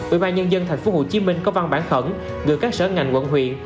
ubnd tp hcm có văn bản khẩn gửi các sở ngành quận huyện